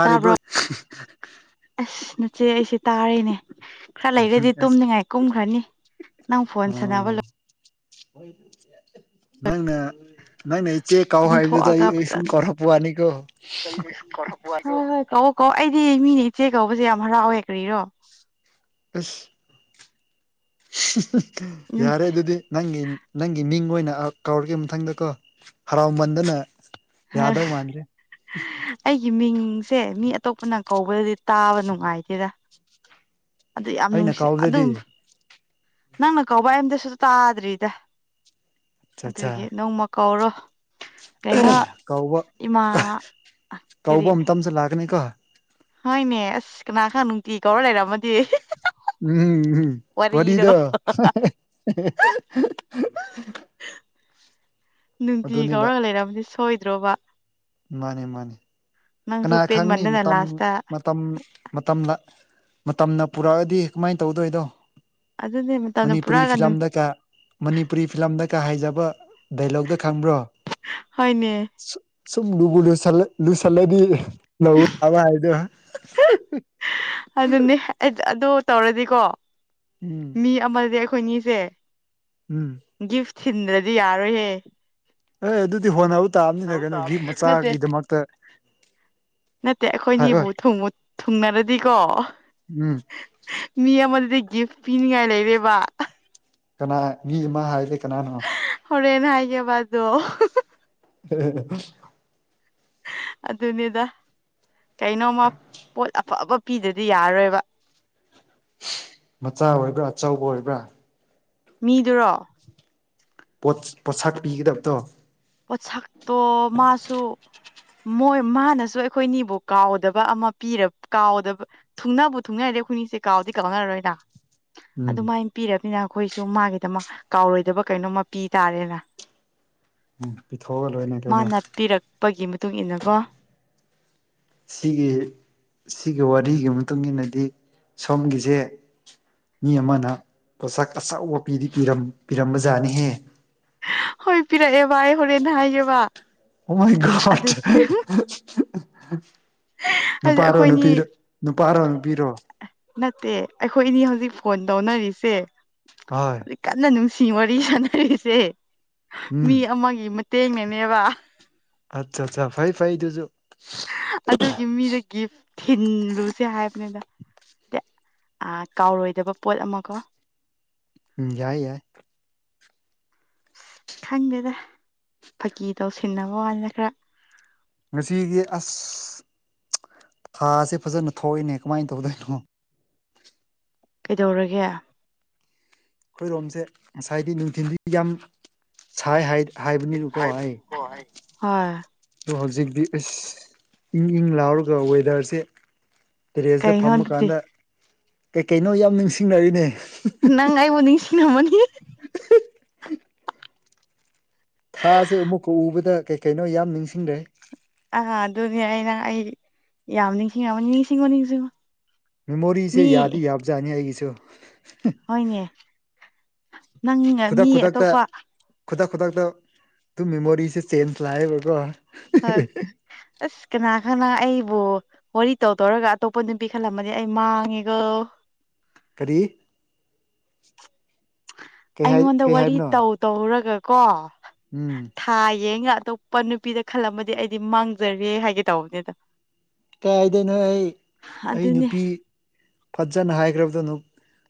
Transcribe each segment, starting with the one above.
ꯇꯥꯕ꯭ꯔꯣ ꯑꯁ ꯅꯆꯦ ꯑꯩꯁꯦ ꯇꯥꯔꯦꯅꯦ ꯈꯔ ꯂꯩꯔꯗꯤ ꯑꯁ ꯇꯨꯝꯅꯤꯡꯉꯥꯏ ꯀꯨꯝꯈ꯭ꯔꯅꯤ ꯅꯪ ꯐꯣꯟ ꯁꯅꯕ ꯑꯣ ꯅꯪꯅ ꯅꯪꯅ ꯏꯆꯦ ꯀꯧ ꯍꯥꯏꯕꯗꯨꯗ ꯇꯨꯝꯊꯣꯛꯑꯒ ꯑꯩ ꯁꯨꯝ ꯐꯖꯅ ꯀꯧꯔꯛꯄ ꯋꯥꯅꯤꯀꯣ ꯍꯣꯏ ꯍꯣꯏ ꯀꯧꯋꫭ ꯑꯩꯗꯤ ꯃꯤꯅ ꯏꯆꯦ ꯀꯧꯕꯁꯦ ꯌꯥꯝ ꯍꯔꯥꯎꯋꯦ ꯀꯔꯤꯔꯣ ꯑꯁ ꯌꯥꯔꯦ ꯑꯗꯨꯗꯤ ꯅꯪꯒꯤ ꯅꯪꯒꯤ ꯃꯤꯡ ꯑꯣꯏꯅ ꯀꯧꯔꯒꯦ ꯃꯊꯪꯗꯀꯣ ꯍꯔꯥꯎꯃꯟꯗꯅ ꯌꯥꯗꯧ ꯃꯥꯥꯟꯇꯦ ꯑꯩꯒꯤ ꯃꯤꯡꯁꯦ ꯃꯤ ꯑꯇꯣꯞꯄꯅ ꯀꯧꯕꯗꯗꯤ ꯇꯥꯕ ꯅꯨꯡꯉꯥꯏꯇꯦꯗ ꯑꯗꯨ ꯌꯥꯝ ꯑꯩꯅ ꯅꯨꯡꯁꯤ ꯀꯥꯎꯕꯗꯗꯤ ꯑꯗꯨꯝ ꯅꯪꯅ ꯀꯧꯕ ꯑꯩ ꯑꯃꯨꯛꯗꯁꯨ ꯇꯥꯗ꯭ꯔꯤꯗ ꯆꯠꯆꯥ ꯑꯗꯨꯒꯤ ꯅꯣꯡꯃ ꯀꯧꯔꯣ ꯀꯩꯅꯣ ꯀꯧꯕ ꯏꯃꯥ ꯀꯔꯤ UNINTELLIGIBLE ꯍꯣꯏꯅꯦ ꯑꯁ ꯀꯅꯥ ꯈꯪ ꯅꯨꯡꯇꯤ ꯀꯧꯔ ꯂꯩꯔꯝꯃꯗꯤ ꯎꯝꯝꯝ ꯋꯥꯔꯤꯗꯣ ꯋꯥꯔꯤꯗꫭ ꯅꯨꯡꯇꯤ ꯑꯗꯨꯅꯦꯕ ꯀꯧꯔꯒ ꯂꯩꯔꯝꯃꯗꯤ ꯁꯣꯏꯗ꯭ꯔꯣꯕ ꯃꯥꯅꯤ ꯃꯥꯅꯤ ꯀꯅꯥ ꯅꯪꯁꯨ ꯈꯪꯅꯤ ꯄꯦꯟꯃꯟꯗꯅ ꯃꯇꯝ ꯂꯥꯁꯇ ꯃꯇꯝ ꯃꯇꯝ ꯃꯇꯝꯅ ꯄꯨꯔꯛꯑꯗꯤ ꯀꯃꯥꯏꯅ ꯇꯧꯗꯣꯏꯅꫭ ꯑꯗꯨꯅꯦ ꯃꯇꯝꯅ ꯃꯅꯤꯄꯨꯔꯤ ꯄꯨꯔꯛꯑꯒꯅꯨ ꯐꯤꯂꯝꯗꯒ ꯃꯅꯤꯄꯨꯔꯤ ꯐꯤꯂꯝꯗ ꯀꯥ ꯍꯥꯏꯖꯕ ꯗꯥꯏꯂꯣꯛꯇ ꯈꯪꯕ꯭ꯔꯣ ꯍꫭꯠꯅꯦ ꯁꯨꯝ ꯂꯨꯕꯨ ꯂꯨ ꯂꯨꯁꯜꯂꯗꯤ ꯂꯧꯅꯕ ꯍꯥꯏꯗꯣ ꯑꯗꯨꯅꯦ ꯑꯗꯨ ꯇꯧꯔꯗꯤꯀꯣ ꯎꯝ ꯃꯤ ꯑꯃꯁꯦ ꯑꯩꯈꯣꯏꯅꯤꯁꯦ ꯎꯝ ꯒꯤꯐ ꯊꯤꯟꯗ꯭ꯔꯗꯤ ꯌꯥꯔꯣꯏꯍꯦ ꯑꯦ ꯑꯗꯨꯗꯤ ꯍꯣꯠꯅꯕ ꯇꯥꯕꯅꯤꯅ ꯒꯤꯐ ꯅꯠꯇꯦ ꯃꯆꯥꯒꯤꯗꯃꯛꯇ ꯅꯠꯇꯦ ꯑꯩꯈꯣꯏꯅꯤꯕꯨ ꯍꯥꯏꯔꯣꯏ ꯊꯨꯡꯕꯨ ꯊꯨꯡꯅꯔꯗꯤꯀꯣ ꯎꯝ ꯃꯤ ꯑꯃꯗꯨꯗꯤ ꯒꯤꯐ ꯄꯤꯅꯤꯡꯉꯥꯏ ꯂꯩꯔꯦꯕ ꯀꯅꯥ ꯃꯤ ꯑꯃ ꯍꯥꯏꯗꯤ ꯀꯅꯥꯅꯣ ꯍꯣꯔꯦꯟ ꯍꯥꯏꯒꯦꯕꯗꯣ ꯎ ꯑꯗꯨꯅꯤꯗ ꯀꯩꯅꯣꯝꯃ ꯄꯣꯠ ꯑꯐ ꯑꯐꯕ ꯄꯤꯗꯗꯤ ꯌꯥꯔꯣꯏꯕ ꯃꯆꯥ ꯑꯣꯏꯕ꯭ꯔꯥ ꯑꯆꯧꯕ ꯑꯣꯏꯕ꯭ꯔꯥ ꯃꯤꯗꯨꯔꯣ ꯄꯣꯠ ꯄꯣꯠꯁꯥꯛ ꯄꯤꯒꯗꯕꯇꯣ ꯄꯣꯠꯁꯛꯇꯣ ꯃꯥꯁꯨ ꯃꯣꯏ ꯃꯥꯅꯁꯨ ꯑꯩꯈꯣꯏꯅꯤꯕꯨ ꯀꯥꯎꯗꯕ ꯑꯃ ꯄꯤ ꯀꯥꯎꯗꯕ ꯊꯨꯡꯅꯕꯕꯨ ꯊꯨꯡꯅꯥꯏꯔꯦꯈꯣꯏꯅꯤꯁꯦ ꯀꯥꯎꯗꯤ ꯀꯥꯎꯛꯅꯔꯔꯣꯏꯅ ꯎꯝ ꯑꯗꯨꯃꯥꯏꯅ ꯄꯤꯔꯅꯤꯅ ꯑꯩꯈꯣꯏꯁꯨ ꯃꯥꯒꯤꯗꯃꯛ ꯀꯥꯎꯔꯣꯏꯗꯕ ꯀꯩꯅꯣꯝꯃ ꯄꯤ ꯇꯥꯔꯦꯅ ꯎꯝ ꯄꯤꯊꯣꯛꯑꯒ ꯂꯣꯏꯅꯦ ꯃꯥꯅ ꯄꯤꯔꯛꯄꯒꯤ ꯃꯇꯨꯡ ꯏꯟꯅꯀꯣ ꯁꯤꯒꯤ ꯁꯤꯒꯤ ꯋꯥꯔꯤꯒꯤ ꯃꯇꯨꯡ ꯏꯟꯅꯗꯤ ꯁꯣꯝꯒꯤꯁꯦ ꯃꯤ ꯑꯃꯅ ꯄꯣꯠꯁꯛ ꯑꯆꯧꯕ ꯄꯗꯤ ꯄꯤꯔꯝꯕꯖꯥꯠꯅꯤꯍꯦ ꯍꯣꯏ ꯄꯤꯔꯛꯑꯦ ꯚ ꯑꯩ ꯍꯣꯔꯦꯟꯦꯟ ꯍꯥꯏꯌꯦꯦꯕ ꯋꯥꯥꯏ ꯍꯥꯏꯗꯤ ꯅꯨꯄꯥꯔꯣ ꯑꯩꯈꯣꯏꯅꯤ ꯅꯨꯄꯤꯔꯣ ꯅꯨꯄꯥꯔꯣ ꯅꯨꯄꯤꯔꯣ ꯅꯠꯇꯦ ꯑꯩꯈꯣꯏ ꯏꯅꯤ ꯍꯧꯖꯤꯛ ꯐꯣꯟ ꯇꯧꯅꯔꯤꯁꯦ ꯍꯣꯏ ꯍꯧꯖꯤꯛ ꯀꯟꯅ ꯅꯨꯡꯁꯤ ꯋꯥꯔꯤ ꯁꯥꯟꯅꯔꯤꯁꯦ ꯃꯤ ꯎꯝ ꯑꯃꯒꯤ ꯃꯇꯦꯡꯅꯅꯦꯕ ꯑꯆꯥ ꯑ ꯐꯩ ꯐꯥꯏꯗꯨꯖꯣ ꯑꯗꯨꯒꯤ ꯃꯤꯗ ꯒꯤꯐ ꯊꯤꯜꯂꯨꯁꯦ ꯍꯥꯏꯕꯅꯤꯗ ꯀꯥꯎꯔꯣꯏꯗꯕ ꯄꯣꯠ ꯑꯃ ꯀꯣ ꯌꯥꯏ ꯌꯥꯏ ꯈꯪꯗꯦꯗ ꯐꯥꯀꯤ ꯇꯧꯁꯤꯟꯅꯕ ꯋꯥꯅꯤꯅ ꯈꯔ ꯉꯁꯤꯗꯤ ꯑꯁ ꯊꯥꯁꯦ ꯐꯖꯅ ꯊꯣꯛꯏꯅꯦ ꯀꯃꯥꯏꯅ ꯇꯧꯗꯣꯏꯅꯣ ꯀꯩꯗꯧꯔꯒꯦ ꯑꯩꯈꯣꯏꯔꯣꯝꯁꯦ ꯉꯁꯥꯏꯗꯤ ꯅꯨꯡꯊꯤꯟꯜꯗꯤ ꯌꯥꯝ ꯁꯥꯏ ꯍꯥꯏꯕꯅꯤꯅꯀꯣ ꯑꯩ ꯍꯣꯏ ꯑꯗꯣ ꯍꯧꯖꯤꯛꯇꯤ ꯑꯁ ꯏꯪ ꯏꯪ ꯂꯥꯎꯔꯒ ꯋꯦꯗꯔꯁꯦ ꯇꯦꯔꯦꯖꯇ ꯀꯩꯅꯣ ꯑꯗꯨꯗꯤ ꯐꯝꯃꯀꯥꯟꯗ ꯀꯩ ꯀꯩꯅꯣ ꯌꯥꯝ ꯅꯤꯡꯁꯤꯡꯅꯔꯤꯅꯦ ꯅꯪꯥꯏꯕꯨꯗꯤꯁꯤꯅ ꯃꯅꯤ ꯊꯥꯁꯦ ꯑꯃꯨꯛꯀ ꯎꯕꯗ ꯀꯩ ꯀꯩꯅꯣ ꯌꯥꯝ ꯅꯤꯡꯁꯤꯡꯈ꯭ꯔꯦ ꯑꯥ ꯑꯗꯨꯅꯤ ꯑꯩꯅ ꯑꯩ ꯌꯥꯝ ꯅꯤꯡꯁꯤꯡ ꯌꯥꯝ ꯅꯤꯡꯁꯤꯡꯉꯣ ꯅꯤꯡꯁꯤꯡꯉꯣ ꯃꯦꯃꯣꯔꯤꯁꯦ ꯃꯤ ꯌꯥꯗꯤ ꯌꯥꯕꯖꯥꯠꯅꯤ ꯑꯩꯒꯤꯁꯨ ꯍꯅꯦ ꯈꯨꯗꯛ ꯈꯨꯗꯛꯇ ꯈꯨꯗꯛ ꯈꯨꯗꯛꯇ ꯑꯗꯨ ꯃꯦꯃꯣꯔꯤꯁꯦ ꯆꯦꯟꯖ ꯂꯥꯛꯑꯦꯕꯀꯣ ꯍꯣꯏ ꯑꯁ ꯀꯅꯥ ꯀꯅꯥ ꯑꯩꯕꯨ ꯋꯥꯔꯤ ꯇꯧ ꯇꯧꯔꯒ ꯑꯇꯣꯞꯄ ꯅꯨꯄꯤ ꯈꯜꯂꯝꯃꯗꯤ ꯑꯩ ꯃꯥꯡꯉꯦꯒ ꯀꯔꯤ ꯀꯩ ꯍꯥꯏ ꯑꯩꯉꯣꯟꯗ ꯀꯩ ꯋꯥꯔꯤ ꯍꯥꯏꯕꯅꯣ ꯇꯧ ꯇꯧꯔꯒ ꯀꯣ ꯎꯝ ꯊꯥ ꯌꯦꯡꯒ ꯑꯇꯣꯞꯄ ꯅꯨꯄꯤꯗ ꯈꯜꯂꯝꯃꯗꯤ ꯑꯩꯗꯤ ꯃꯥꯡꯖꯔꯦ ꯍꯥꯏꯒꯦ ꯇꯧꯕꯅꯦ ꯑꯗ ꯀꯥꯏꯗꯩꯏꯅꯣ ꯑꯩ ꯑꯩ ꯑꯗꯨꯅꯦ ꯅꯨꯄꯤ ꯐꯖꯅ ꯍꯥꯏꯈ꯭ꯔꯕꯗꯣꯅ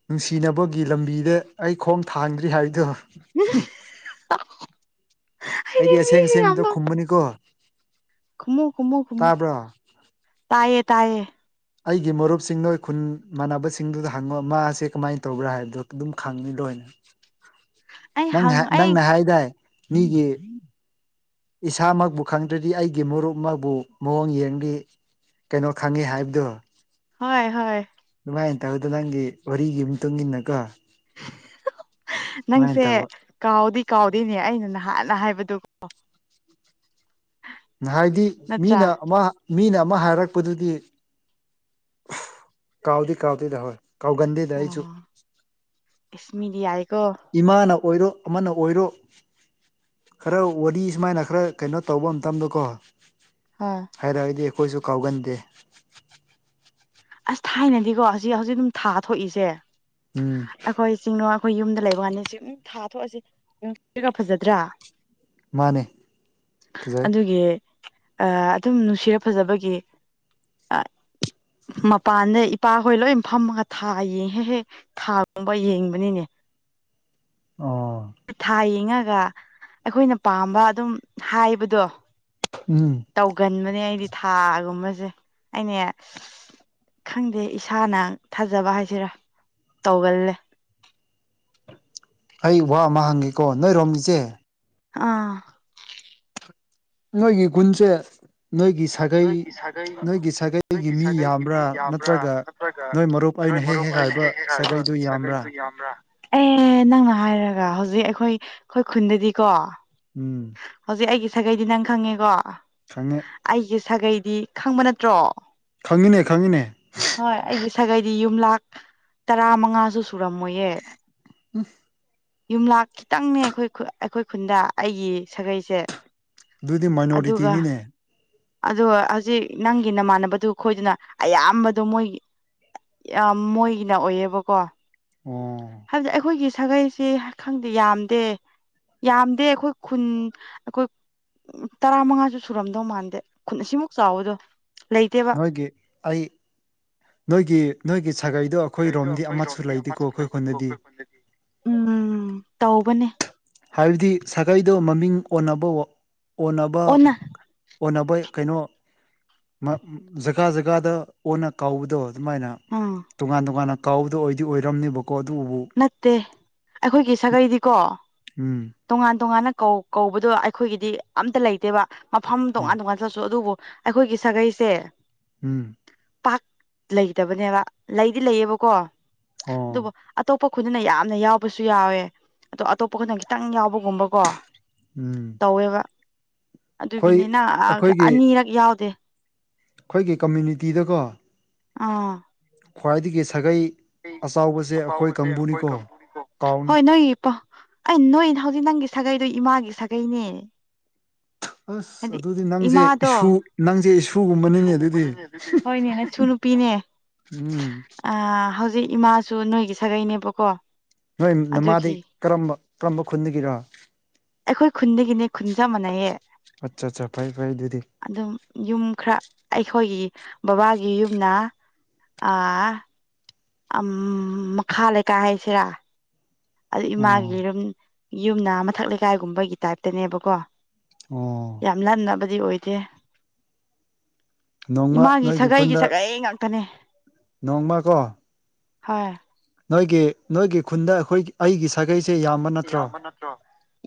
ꯅꯨꯡꯁꯤꯅꯕꯒꯤ ꯂꯝꯕꯤꯗ ꯑꯩ ꯈꯣꯡ ꯊꯥꯡꯗ꯭ꯔꯤ ꯍꯥꯏꯕꯗꯣ ꯎꯝ ꯑꯩꯗꯤ ꯑꯁꯦꯡ ꯑꯁꯦꯡꯕꯗ ꯈꯨꯝꯕꯅꯤꯀꯣ ꯈꯨꯃꯨ ꯈꯨꯃꯨ ꯈꯨꯃꯣ ꯇꯥꯕ꯭ꯔꯣ ꯇꯥꯏꯌꯦ ꯇꯥꯏꯌꯦ ꯑꯩꯒꯤ ꯃꯔꯨꯞꯁꯤꯡ ꯅꯣꯏ ꯈꯨꯟ ꯃꯥꯟꯅꯕꯁꯤꯡꯗꯨꯗ ꯍꯪꯕ ꯃꯥꯁꯦ ꯀꯃꯥꯏꯅ ꯇꯧꯕ꯭ꯔꯥ ꯍꯥꯏꯕꯗꯣ ꯑꯗꯨꯝ ꯈꯪꯅꯤ ꯂꯣꯏꯅ ꯑꯩ ꯅꯪ ꯍꯪ ꯑꯩ ꯅꯪꯅ ꯍꯥꯏꯥꯏꯗꯥ ꯃꯤꯒꯤ ꯏꯁꯥꯃꯛꯕꯨ ꯈꯪꯗ꯭ꯔꯗꯤ ꯑꯩꯒꯤ ꯃꯔꯨꯞꯃꯛꯕꯨ ꯃꯑꯣꯡ ꯌꯦꯡꯂꯤ ꯀꯩꯅꯣ ꯈꯪꯉꯤ ꯍꯥꯏꯕꯗꯣ ꯍꯣꯏ ꯍꯣꯏ ꯑꯗꯨꯃꯥꯏꯅ ꯇꯧꯔꯗꯣ ꯅꯪꯒꯤ ꯋꯥꯔꯤꯒꯤ ꯃꯇꯨꯡ ꯏꯟꯅ ꯀꯣ ꯅꯪꯁꯦ ꯇꯧꯕ ꯀꯥꯎꯗꯤ ꯀꯥꯎꯗꯦꯅꯦ ꯑꯩꯅ ꯅꯍꯥꯟꯅ ꯍꯥꯏꯕꯗꯨ ꯍꯥꯏꯗꯤ ꯅꯠꯇ꯭ꯔꯥ ꯃꯤꯅ ꯑꯃ ꯃꯤꯅ ꯑꯃ ꯍꯥꯏꯔꯛꯄꯗꯨꯗꯤ ꯀꯥꯎꯗꯤ ꯀꯥꯥꯎꯗꯤꯗ ꯍꯣꯏ ꯀꯥꯎꯒꯟꯗꯗꯤ ꯑꯣ ꯏꯁꯃꯤꯗꯤ ꯋꯥꯏꯀꫭ ꯏꯃꯥꯅ ꯑꯣꯏꯔꯣ ꯑꯃꯅ ꯑꯣꯏꯔꯣ ꯈꯔ ꯋꯥꯔꯤ ꯁꯨꯃꯥꯏꯅ ꯈꯔ ꯀꯩꯅꯣ ꯇꯧꯕ ꯃꯇꯝꯗꯀꯣ ꯍꯥ ꯍꯥꯏꯔꯒꯗꯤ ꯑꯩꯈꯣꯏꯁꯨ ꯀꯥꯎꯒꯟꯗꯦ ꯑꯁ ꯊꯥꯏꯅꯗꯤꯀꯣ ꯍꯧꯖꯤꯛ ꯍꯧꯖꯤꯛ ꯑꯗꯨꯝ ꯊꯥ ꯊꯣꯛꯏꯁꯦ ꯎꯝ ꯑꯩꯈꯣꯏ ꯆꯤꯡꯅꯣꯛ ꯑꯩꯈꯣꯏ ꯌꯨꯝꯗ ꯂꯩꯕ ꯉꯅꯤ ꯁꯨꯝ ꯊꯥ ꯊꯣꯛꯑꯁꯤ ꯐꯖꯗ꯭ꯔꯥ ꯃꯥꯅꯦ ꯐꯖꯩ ꯑꯗꯨꯒꯤ ꯑꯗꯨꯝ ꯅꯨꯡꯁꯤꯔ ꯐꯖꯕꯒꯤ ꯃꯄꯥꯟꯗ ꯏꯄꯥ ꯍꯣꯏ ꯂꯣꯏ ꯐꯝꯃꯒ ꯊꯥ ꯌꯦꯡꯍꯦꯛ ꯍꯦꯛ ꯊꯥꯒꯨꯝꯕ ꯌꯦꯡꯕꯅꯤꯅꯦ ꯑꯣ ꯊꯥ ꯌꯦꯡꯉꯒ ꯑꯩꯈꯣꯏꯅ ꯄꯥꯝꯕ ꯑꯗꯨꯝ ꯍꯥꯏꯕꯗꯣ ꯎꯝ ꯇꯧꯒꯟꯕꯅꯦ ꯑꯩꯗꯤ ꯊꯥꯒꯨꯝꯕꯁꯦ ꯑꯅꯦ ꯈꯪꯗꯦ ꯏꯁꯥꯅ ꯊꯥꯖꯕ ꯍꯥꯏꯁꯤꯔꯥ ꯇꯧꯒꯜꯂꯦ ꯑꯩ ꯋꯥ ꯑꯃ ꯍꯪꯒ‌ꯦꯀꯣ ꯅꯣꯏ ꯔꯣꯝꯃꯤꯆꯦ ꯑꯥ ꯅꯣꯏꯒꯤ ꯒꯨꯟꯁꯦ ꯅꯣꯏꯒꯤ ꯁꯥꯒꯩ ꯅꯣꯏꯒꯤ ꯁꯥꯒꯩꯒꯤ ꯃꯤ ꯌꯥꯝꯕ꯭ꯔꯥ ꯅꯠꯇ꯭ꯔꯒ ꯅꯣꯏ ꯃꯔꯨꯞ ꯅꯣꯏ ꯑꯩꯅ ꯍꯦꯛ ꯃꯔꯨꯞ ꯑꯩꯅ ꯍꯥꯏꯕ ꯍꯦꯛ ꯍꯦꯛ ꯍꯥꯏꯕ ꯁꯥꯒꯩꯗꯨ ꯌꯥꯝꯕ꯭ꯔꯥ ꯁꯥꯖꯒꯩꯗꯨ ꯌꯥꯝꯕ꯭ꯔꯥ ꯑꯦ ꯅꯪꯅ ꯍꯥꯏꯔꯒ ꯍꯧꯖꯤꯛ ꯑꯩꯈꯣꯏ ꯑꯩꯈꯣꯏ ꯈꯨꯟꯗꯗꯤꯀꯣ ꯎꯝ ꯍꯧꯖꯤꯛ ꯑꯩꯒꯤ ꯁꯥꯒꯩꯗꯤ ꯅꯪ ꯈꯪꯉꯦꯀꯣ ꯈꯪꯉ‌ꯦ ꯑꯩꯒꯤ ꯁꯥꯒꯩꯗꯤ ꯈꯪꯕ ꯅꯠꯇ꯭ꯔꯣ ꯈꯪꯉꯤꯅꯦ ꯈꯪꯉꯤꯅꯦ ꯍꯣꯏ ꯑꯩꯒꯤ ꯁꯥꯒꯩꯗꯤ ꯌꯨꯝꯂꯥꯛ ꯇꯔꯥ ꯃꯉꯥꯁꯨ ꯁꯨꯔꯝꯃꯣꯏꯌꯦ ꯎꯐ ꯌꯨꯝꯂꯛ ꯈꯤꯇꯪꯅꯦ ꯑꯩꯈꯣꯏ ꯑꯩꯈꯣꯏ ꯈꯨꯟꯗ ꯑꯩꯒꯤ ꯁꯥꯒꯩꯁꯦ ꯑꯗꯨꯗꯤ ꯃꯥꯏꯅꯣꯔꯤꯇꯤꯅꯤꯅꯦ ꯑꯗꯣ ꯍꯧꯖꯤꯛ ꯅꯪꯒꯤ ꯅꯃꯥꯟꯅꯕꯗꯨ ꯑꯩꯈꯣꯏꯗꯨꯅ ꯑꯌꯥꯝꯕꯗꯣ ꯃꯣꯏ ꯌꯥꯝ ꯃꯣꯏꯒꯤꯅ ꯑꯣꯏꯌꯦꯕꯀꯣ ꯑꯣ ꯍꯥꯏꯕꯗꯤ ꯑꯩꯈꯣꯏꯒꯤ ꯁꯥꯒꯩꯁꯤ ꯈꯪꯗꯦ ꯌꯥꯝꯗꯦ ꯌꯥꯝꯗꯦ ꯑꯩꯈꯣꯏ ꯈꯨꯟ ꯑꯩꯈꯣꯏ ꯇꯔꯥ ꯃꯉꯥꯁꯨ ꯁꯨꯔꯝꯗꯧ ꯃꯥꯟꯗꯦ ꯈꯨꯟ ꯑꯁꯤꯃꯨ ꯆꯥꯎꯕꯗꯣ ꯂꯩꯇꯦ ꯅꯣꯏꯒꯤ ꯑꯩ ꯅꯣꯏꯒꯤ ꯅꯣꯏꯒꯤ ꯁꯥꯒꯩꯗꯣ ꯗꯣ ꯑꯩꯈꯣꯏꯔꯣꯝꯗꯤ ꯑꯃꯠꯁꯨ ꯑꯩꯈꯣꯏꯔꯣꯝꯗꯤ ꯂꯩꯇꯦꯀꯣ ꯑꯃꯁꯨ ꯑꯩꯈꯣꯏ ꯂꯩꯀꯣ ꯈꯨꯟꯗꯗꯤ ꯑꯩꯈꯣꯏꯗꯤ ꯎꯝ ꯇꯧꯕꯅꯦ ꯍꯥꯏꯕꯗꯤ ꯁꯥꯒꯩꯗꯣ ꯃꯃꯤꯡ ꯑꯣꯟꯅꯕ ꯑꯣꯟꯅꯕ ꯑꯣꯟꯅ ꯑꯣꯟꯅꯕ ꯀꯩꯅꯣ ꯖꯒꯥ ꯖꯒꯥꯗ ꯑꯣꯟꯅ ꯀꯥꯎꯕꯗꯣ ꯑꯗꯨꯃꯥꯏꯅ ꯑꯥ ꯇꯣꯉꯥꯟ ꯇꯣꯉꯥꯟꯅ ꯀꯥꯎꯗ ꯑꯣꯏꯗꯤ ꯑꯣꯏꯔꯝꯅꯤꯕ ꯀꯣꯗꯨꯎ ꯅꯠꯇꯦ ꯑꯩꯈꯣꯏꯒꯤ ꯁꯥꯒꯩꯗꯤꯀꯣ ꯎꯝ ꯇꯣꯉꯥꯟ ꯇꯣꯉꯥꯟꯅ ꯀꯧꯕꯗꯣ ꯑꯩꯈꯣꯏꯒꯤꯗꯤ ꯑꯝꯇ ꯂꯩꯇꯦꯕ ꯃꯐꯝ ꯑꯣ ꯇꯣꯉꯥꯟ ꯇꯣꯉꯥꯟ ꯆꯠꯁꯨ ꯑꯗꯨꯕꯨ ꯑꯩꯈꯣꯏꯒꯤ ꯁꯥꯒꯩꯁꯦ ꯎꯝ ꯄꯥꯛ ꯂꯩꯇꯕꯅꯦꯕ ꯂꯩꯗꯤ ꯂꯩꯌꯦꯕꯀꯣ ꯑꯗꯨꯕꯨ ꯑꯣ ꯑꯇꯣꯞꯄꯗꯨꯅ ꯌꯥꯝꯅ ꯌꯥꯎꯕꯁꯨ ꯌꯥꯎꯋꯦ ꯑꯗꯣ ꯑꯇꯣꯞꯄ ꯗꯅ ꯈꯤꯇꯪ ꯌꯥꯎꯕꯒꯨꯝꯕꯀꯣ ꯎꯝ ꯇꯧꯋꯦꯕ ꯑꯩꯈꯣꯏ ꯑꯗꯨꯒꯤꯅꯤ ꯅꯪ ꯑꯩꯈꯣꯏꯒꯤ ꯑꯅꯤꯔꯛ ꯌꯥꯎꯗꯦ ꯑꯩꯈꯣꯏꯒꯤ ꯀꯝꯃ꯭ꯌꯨꯅꯤꯇꯤꯗꯀꯣ ꯑꯥ ꯈ꯭ꯋꯥꯏꯗꯒꯤ ꯁꯥꯒꯩ ꯑꯆꯥꯎꯕꯁꯦ ꯑꯩꯈꯣꯏ ꯀꯥꯡꯕꯨꯅꯤꯀꯣ [unintelligible] ꯀꯥꯎꯅꯨ ꯍꯣꯢ ꯅꯣꯢꯒꯤ ꯑꯥ ꯅꯣꯏ ꯍꯧꯖꯤꯛ ꯅꯪꯒꯤ ꯁꯥꯒꯩꯗꯣ ꯏꯃꯥꯒꯤ ꯁꯥꯒꯩꯅꯦ ꯑꯁ ꯍꯥꯏꯗꯤ ꯑꯗꯨꯗꯤ ꯅꯪꯁꯦ ꯏꯁꯨ ꯏꯃꯥꯗꯣ ꯅꯪꯁꯦ ꯏꯁꯨꯒꯨꯝꯕꯅꯤꯅꯦ ꯑꯗꯨꯗꯤ ꯁꯨ ꯅꯨꯄꯤꯅꯦ ꯎꯝ ꯑꯥ ꯍꯧ ꯖꯤꯛ ꯏꯃꯥꯁꯨ ꯅꯣꯏꯒꯤ ꯁꯥꯒꯩꯅꯦꯕꯀꯣ ꯅꯣꯏ ꯅꯃꯗꯤ ꯑꯗꯨꯒꯤ ꯀꯔꯝꯕ ꯀꯔꯝꯕ ꯈꯨꯟꯗꯒꯤꯔꯥ ꯑꯩꯈꯣꯏ ꯈꯨꯟꯗꯒꯤꯅꯦ ꯈꯨꯟ ꯆꯞ ꯃꯥꯟꯅꯩꯌꯦ ꯑꯠꯆꯥ ꯑꯠꯆꯥ ꯐꯩ ꯐꯩ ꯑꯗꯨꯗꯤ ꯑꯗꯨꯝ ꯌꯨꯝ ꯈꯔ ꯑꯩꯈꯣꯏꯒꯤ ꯕꯕꯥꯒꯤ ꯌꯨꯝꯅ ꯑꯥ ꯃꯈꯥ ꯂꯩꯀꯥꯏ ꯍꯥꯏꯁꯤꯔꯥ ꯑꯗꯨ ꯑꯣ ꯏꯃꯥꯒꯤꯔꯨꯝ ꯌꯨꯝꯅꯥ ꯃꯊꯛ ꯂꯩꯀꯥꯏꯒꯨꯝꯕꯒꯤ ꯇꯥꯏꯞꯇꯅꯦꯕꯀꯣ ꯑꯣ ꯌꯥꯝ ꯂꯅꯕꯗꯤ ꯑꯣꯏꯗꯦ ꯅꯣꯡꯃ ꯏꯃꯥꯒꯤ ꯅꯣꯏꯒꯤ ꯁꯥꯒꯩꯒꯤ ꯈꯨꯟꯗ ꯁꯥꯒꯩ ꯉꯥꯛꯇꯅꯦ ꯅꯣꯡꯃ ꯀꯣ ꯍꯣꯏ ꯅꯣꯏꯒꯤ ꯅꯣꯏꯒꯤ ꯈꯨꯟꯗ ꯑꯩꯈꯣꯏꯒꯤ ꯑꯩꯒꯤ ꯁꯥꯒꯩꯁꯦ ꯌꯥꯝ ꯌꯥꯝꯃꯅ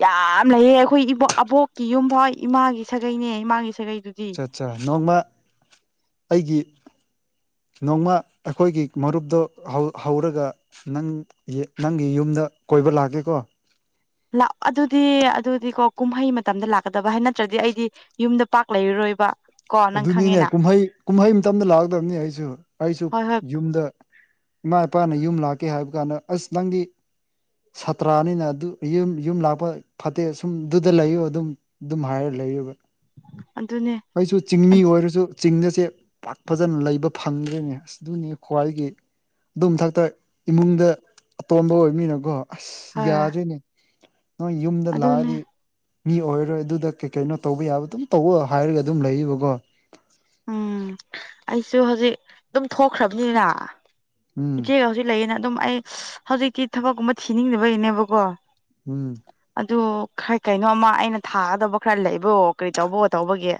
ꯌꯥꯝ ꯂꯩꯑꯦ ꯑꯩꯈꯣꯏ ꯏꯕꯣꯛ ꯑꯕꯣꯛꯀꯤ ꯌꯨꯝꯐꯥꯎ ꯏꯃꯥꯒꯤ ꯁꯥꯒꯩꯅꯦ ꯏꯃꯥꯒꯤ ꯁꯥꯒꯩꯗꯨꯗꯤ ꯑꯠꯆꯥ ꯑꯠꯆꯥ ꯅꯣꯡꯃ ꯑꯩꯒꯤ ꯅꯣꯡꯃ ꯑꯩꯈꯣꯏꯒꯤ ꯃꯔꯨꯞꯇꯣ ꯍꯧꯔꯒ ꯅꯪ ꯅꯪꯒꯤ ꯌꯨꯝꯗ ꯀꯣꯏꯕ ꯂꯥꯛꯀꯦꯀꯣ ꯂꯥꯎ ꯑꯗꯨꯗꯤ ꯑꯗꯨꯗꯤꯀꯣ ꯀꯨꯝꯍꯩ ꯃꯇꯝꯗ ꯂꯥꯛꯀꯗꯕ ꯍꯥꯏ ꯅꯠꯇ꯭ꯔꯗꯤ ꯑꯩꯗꯤ ꯌꯨꯝꯗ ꯄꯥꯛ ꯂꯩꯔꯔꯣꯏꯕ ꯀꯣ ꯅꯪ ꯑꯗꯨꯅꯤꯅꯦ ꯈꯪꯉꯦꯅ ꯀꯨꯝꯍꯩ ꯀꯨꯝꯍꯩ ꯃꯇꯝꯗ ꯂꯥꯛꯗꯝꯅꯤ ꯑꯩꯁꯨ ꯑꯩꯁꯨ ꯍꯣꯏ ꯍꯣꯏ ꯌꯨꯝꯗ ꯏꯃꯥ ꯏꯄꯥꯅ ꯌꯨꯝ ꯂꯥꯛꯀꯦ ꯍꯥꯏꯕ ꯀꯥꯟꯗ ꯑꯁ ꯅꯪꯗꯤ ꯁꯥꯇ꯭ꯔꯥꯅꯤꯅ ꯑꯗꯨꯝ ꯌꯨꯝ ꯌꯨꯝ ꯂꯥꯛꯄ ꯐꯠꯇꯦ ꯁꯨꯝ ꯑꯗꯨꯗ ꯂꯩꯌꯨ ꯑꯗꯨꯝ ꯑꯗꯨꯝ ꯍꯥꯏꯔ ꯂꯩꯌꯦꯕ ꯑꯗꯨꯅꯦ ꯑꯩꯁꯨ ꯆꯤꯡꯃꯤ ꯑꯣꯏꯔꯁꯨ ꯆꯤꯡꯗꯁꯦ ꯄꯥꯛ ꯐꯖꯅ ꯂꯩꯕ ꯐꯪꯗ꯭ꯔꯦꯅꯦ ꯑꯗꯨꯅꯤ ꯈ꯭ꯋꯥꯏꯒꯤ ꯑꯗꯨ ꯃꯊꯛꯇ ꯏꯃꯨꯡꯗ ꯑꯇꯣꯝꯕ ꯑꯣꯏꯕꯃꯤꯅꯀꯣ ꯑꯁ ꯍꯣꯏ ꯌꯥꯗꯦꯅꯦ ꯅꯣꯏ ꯌꯨꯝꯗ ꯑꯗꯨꯅꯦ ꯂꯥꯛꯑꯗꯤ ꯃꯤ ꯑꯣꯏꯔꯣꯏ ꯑꯗꯨꯗ ꯀꯩ ꯀꯩꯅꯣ ꯇꯧꯕ ꯌꯥꯕ ꯑꯗꯨꯝ ꯇꯧ ꯍꯥꯏꯔꯒ ꯑꯗꯨꯝ ꯂꯩꯌꯦꯕꯀꯣ ꯎꯝ ꯑꯩꯁꯨ ꯍꯧꯖꯤꯛ ꯑꯗꯨꯝ ꯊꯣꯛꯈ꯭ꯔꯕꯅꯤꯅ ꯎꯝ ꯏꯆꯦꯒ ꯍꯧꯖꯤꯛ ꯂꯩꯌꯦꯅ ꯑꯗꯨꯝ ꯑꯩ ꯍꯧꯖꯤꯛꯇꯤ ꯊꯕꯛꯀꯨꯝꯕ ꯊꯤꯅꯤꯡꯗꯕꯒꯤꯅꯦꯕꯀꯣ ꯎꯝ ꯑꯗꯨ ꯈꯔ ꯀꯩꯅꯣꯝꯃ ꯑꯩꯅ ꯊꯥꯒꯗꯕ ꯈꯔ ꯂꯩꯕꯣ ꯀꯔꯤ ꯇꯧꯕꯣ ꯇꯧꯕꯒꯤ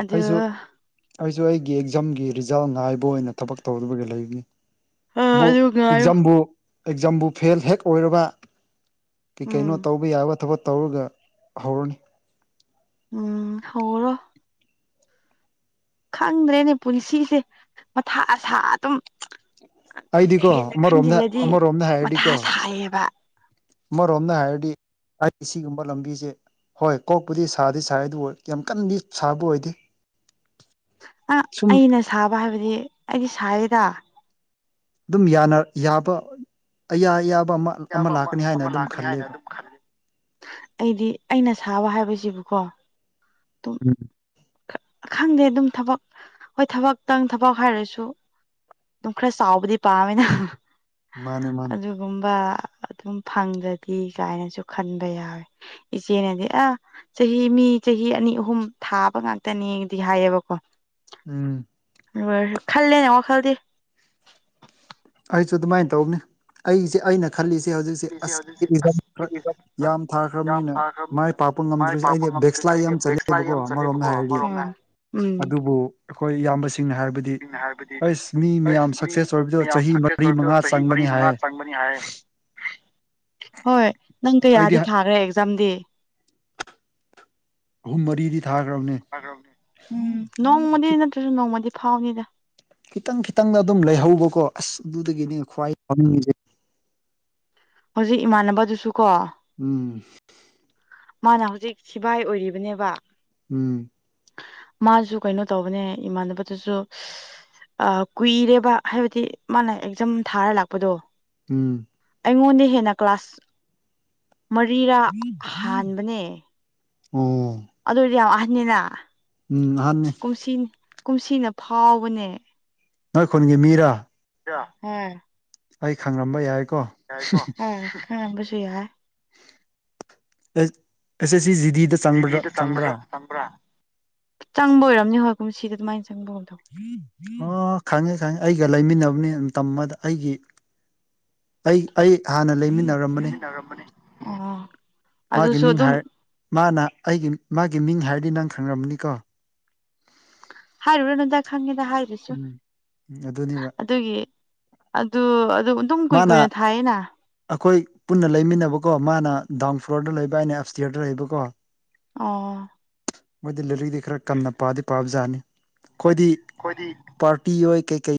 ꯑꯗꯨ ꯑꯩꯁꯨ ꯑꯩꯁꯨ ꯑꯩꯒꯤ ꯑꯦꯛꯖꯥꯝꯒꯤ ꯔꯤꯖꯜ ꯉꯥꯏꯕ ꯑꯣꯏꯅ ꯊꯕꯛ ꯇꯧꯔꯨꯕꯒꯤ ꯂꯩꯕꯅꯤ ꯑ ꯕꯨ ꯑꯗꯨ ꯉꯥꯏꯌꯣ ꯑꯦꯛꯖꯥꯝꯕꯨ ꯑꯦꯛꯖꯥꯝꯕꯨ ꯐꯦꯜ ꯍꯦꯛ ꯑꯣꯏꯔꯕ ꯀꯩ ꯎꯝ ꯀꯩꯅꯣ ꯇꯧꯕ ꯌꯥꯕ ꯊꯕꯛ ꯇꯧꯔꯒ ꯍꯧꯔꯅꯤ ꯎꯝ ꯍꯧꯔꯣ ꯈꯪꯗ꯭ꯔꯦꯅꯦ ꯄꯨꯟꯁꯤꯁꯦ ꯃꯊꯥ ꯑꯁꯥ ꯑꯗꯨꯝ ꯑꯩꯗꯤꯀꯣ ꯍꯦꯟꯅ ꯑꯃꯔꯣꯝꯗ ꯈꯟꯖꯤꯜꯂꯗꯤ ꯑꯃꯔꯣꯝꯗ ꯃꯊꯥ ꯍꯥꯏꯔꯗꯤꯀꯣ ꯁꯥꯏꯌꯦꯕ ꯑꯃꯔꯣꯝꯅ ꯍꯥꯏꯔꯗꯤ ꯑꯩ ꯁꯤꯒꯨꯝꯕ ꯂꯝꯕꯤꯁꯦ ꯍꯣꯏ ꯀꯣꯛꯄꯨꯗꯤ ꯁꯥꯗꯤ ꯁꯥꯏ ꯑꯗꯨ ꯑꯣꯏ ꯌꯥꯝ ꯀꯟꯗꯤ ꯁꯥꯕ ꯑꯣꯏꯗꯦ ꯑ ꯁꯨꯝ ꯑꯩꯅ ꯁꯥꯕ ꯍꯥꯏꯕꯗꯤ ꯑꯩꯗꯤ ꯁꯔꯤꯗ ꯑꯗꯨꯝ ꯌꯥꯅ ꯌꯥꯕ ꯑꯌꯥ ꯑꯌꯥꯕ ꯑꯃ ꯂꯥꯛꯀꯅꯤ ꯑꯃ ꯍꯥꯏꯅ ꯑꯃ ꯑꯗꯨꯝ ꯂꯥꯛꯀꯅꯤ ꯍꯥꯏꯅ ꯈꯜꯂꯦꯕ ꯑꯗꯨꯝ ꯈ ꯑꯩꯗꯤ ꯑꯩꯅ ꯁꯥꯕ ꯍꯥꯏꯕꯁꯤꯕꯨꯀꯣ ꯑꯗꯨꯝ ꯎꯝ ꯈꯪꯗꯦ ꯑꯗꯨꯝ ꯊꯕꯛ ꯍꯣꯏ ꯊꯕꯛꯇꯪ ꯊꯕꯛ ꯍꯥꯏꯔꯁꯨ ꯑꯗꯨꯝ ꯈꯔ ꯆꯥꯎꯥꯎꯕꯗꯤ ꯄꯥꯝꯃꯦꯅ ꯃꯥꯅꯦ ꯃꯥꯅꯤ ꯒꯨꯝꯕ ꯑꯗꯨꯝ ꯐꯪꯗꯗꯤ ꯀꯥꯏꯅꯁꯨ ꯈꯟꯕ ꯌꯥꯎꯋꯦ ꯏꯆꯦꯅꯗꯤ ꯑ ꯆꯍꯤ ꯃꯤ ꯆꯍꯤ ꯑꯅꯤ ꯑꯍꯨꯝ ꯊꯥꯕ ꯑꯩꯣꯏ ꯉꯥꯛꯇꯅꯤꯗꯤ ꯍꯥꯏꯌꯦꯕꯀꯣ ꯎꯝ ꯈꯜꯂꯦꯅꯦ ꯋꯥꯈꯜꯗꯤ ꯑꯩꯁꯨ ꯑꯗꯨꯃꯥꯏꯅ ꯇꯧꯅꯤ ꯑꯩꯁꯦ ꯑꯩꯅ ꯈꯜꯂꯤꯁꯤ ꯍꯧꯖꯤꯛꯁꯤ ꯌꯥꯝ ꯊꯥꯈ꯭ꯔꯕꯅꯤꯅ ꯃꯥꯏ ꯄꯥꯛꯄ ꯉꯝꯗ꯭ꯔꯤꯁꯦ ꯑꯩꯗꯤ ꯕꯦꯛꯁ꯭ꯂꯥꯏ ꯌꯥꯝ ꯆꯠꯂꯦꯕꯀꯣ ꯑꯃꯔꯣꯝꯗ ꯍꯥꯏꯔꯗꯤ ꯎꯝ ꯑꯗꯨꯕꯨ ꯑꯩꯈꯣꯏ ꯏꯌꯥꯝꯕꯁꯤꯡꯅ ꯍꯥꯏꯔꯕꯗꯤ ꯑꯩꯁ ꯃꯤ ꯃꯌꯥꯝ ꯁꯛꯁꯦꯁ ꯑꯣꯏꯔꯤꯕꯗ ꯆꯍꯤ ꯃꯔꯤ ꯃꯉꯥ ꯆꯪꯕꯅꯤ ꯍꯥꯏ ꯍꯣꯏ ꯅꯪ ꯑꯩꯗꯤ ꯀꯌꯥꯗꯤ ꯊꯥꯈ꯭ꯔꯦ ꯑꯦꯛꯖꯥꯝꯗꯤ ꯑꯍꯨꯝ ꯃꯔꯤꯗꯤ ꯊꯥꯈ꯭ꯔꯕꯅꯦ ꯎꯝ ꯅꯣꯡꯃꯗꯤ ꯅꯠꯇ꯭ꯔꯁꯨ ꯅꯣꯡꯃꯗꯤ ꯐꯥꯎꯅꯤꯗ ꯈꯤꯇꯪ ꯈꯤꯇꯪꯗ ꯑꯗꯨꯝ ꯂꯩꯍꯧꯕꯀꯣ ꯑꯁ ꯑꯗꯨꯗꯒꯤꯅꯦ ꯈ꯭ꯋꯥꯏꯅꯤꯡꯉꯦ ꯍꯧꯖꯤꯛ ꯏꯃꯥꯟꯅꯕꯗꯨꯁꯨ ꯀꯣ ꯎꯝ ꯃꯥꯅ ꯍꯧꯖꯤꯛ ꯁꯤꯕꯥꯏ ꯑꯣꯏꯔꯤꯕꯅꯦꯕ ꯎꯝ ꯃꯥꯁꯨ ꯀꯩꯅꯣ ꯇꯧꯕꯅꯦ ꯏꯃꯥꯟꯅꯕꯗꯨꯁꯨ ꯀꯨꯏꯔꯦꯕ ꯍꯥꯏꯕꯗꯤ ꯃꯥꯅ ꯑꯦꯛꯖꯝ ꯊꯥꯔ ꯂꯥꯛꯄꯗꯣ ꯎꯝ ꯑꯩꯉꯣꯟꯗ ꯍꯦꯟꯅ ꯀ꯭ꯂꯥꯁ ꯃꯔꯤꯔꯥ ꯍꯥꯟꯕꯅꯦ ꯎꯝ ꯑꯗꯨꯗꯤ ꯌꯥꯝ ꯋꯥꯍꯟꯅꯤꯅ ꯎꯝ ꯑꯅꯤꯅꯦ ꯀꯨꯝꯁꯤ ꯀꯨꯝꯁꯤꯅ ꯐꯥꯎꯕꯅꯦ ꯅꯣꯏ ꯈꯨꯟꯒꯤ ꯃꯤꯔꯥ [unintelligible] ꯑꯩ ꯈꯪꯂꯝꯕ ꯌꯥꯏꯀꯣ ꯑꯥ ꯈꯪꯉꯝꯕꯁꯨ ꯌꯥꯏ [unintelligible] ꯆꯪꯕ꯭ꯔꯥ ꯆꯪꯕ ꯑꯣꯏꯔꯝꯅꯤ ꯍꯣꯏꯕ ꯋꯤꯁꯤ ꯑꯗꯨꯃꯥꯏꯅ ꯆꯪꯕꯒꯨꯝꯊꯧ ꯑ ꯈꯪꯉꯦ ꯈꯪꯉꯦ ꯑꯩꯒ ꯂꯩꯃꯤꯟꯅꯕꯅꯤ ꯑꯗꯨ ꯇꯝꯕꯗ ꯑꯩꯒꯤ ꯑꯩ ꯑꯩ ꯍꯥꯟꯅ ꯂꯩꯃꯤꯟꯅꯔ ꯑꯣ ꯃꯥꯒꯤ ꯑꯗꯨꯁꯨ ꯃꯤꯡ ꯑꯗꯨꯝ ꯍꯥꯏ ꯃꯥꯅ ꯑꯩꯒꯤ ꯃꯥꯒꯤ ꯃꯤꯡ ꯍꯥꯏꯔꯗꯤ ꯅꯪ ꯈꯪꯉꯕꯅꯤꯀꯣ ꯍꯥꯏꯔꯨꯔꯥꯅꯨꯗ ꯈꯪꯉꯤꯗ ꯍꯥꯏꯗꯁꯨ ꯎꯝ ꯑꯗꯨꯅꯦꯕ ꯑꯗꯨꯒꯤ ꯑꯗꯨ ꯑꯗꯨ ꯑꯗꯨꯝ ꯀꯨꯏ ꯃꯥꯅ ꯀꯨꯏꯅ ꯊꯥꯏꯌꯦꯅ ꯑꯩꯈꯣꯏ ꯄꯨꯟꯅ ꯂꯩꯃꯤꯟꯅꯕꯀꯣ ꯃꯥꯅ ꯗꯥꯎꯟ ꯐ꯭ꯂꯣꯔꯗ ꯂꯩꯕ ꯍꯥꯏꯅꯦ ꯑꯞ ꯏꯁꯇꯤꯌꯔꯗ ꯂꯩꯕꯀꯣ ꯑꯣ ꯃꯣꯏꯗꯤ ꯂꯥꯏꯔꯤꯛꯇꯤ ꯈꯔ ꯀꯟꯅ ꯄꯥꯗꯤ ꯄꯥꯕꯖꯥꯠꯅꯤ ꯑꯩꯈꯣꯏꯗꯤ ꯀꯗꯤ ꯄꯔꯇꯤ ꯑꯣꯏꯣꯏ ꯀꯩ ꯀꯩ